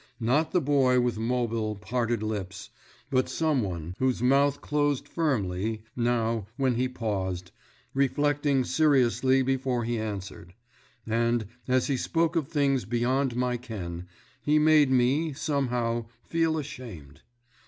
Not the boy with mobile, parted lips; but some one whose mouth closed firmly, now, when he paused, reflecting seriously before he answered. And, as he spoke of things beyond my ken, he made me, somehow, feel ashamed.